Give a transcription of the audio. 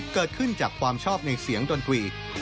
เกิดขึ้นจากความชอบในเสียงดนตรี